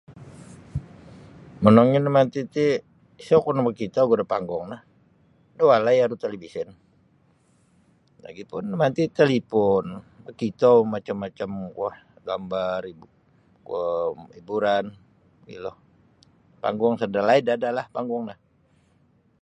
Monongnyo da manti ti isaku no makito ogu da panggung no da walai aru televisyen lagi pun damanti ti talipon makitomu macam-macam kuo gambar kuo hiburan mogilo panggung sada dalaid adalah panggung no.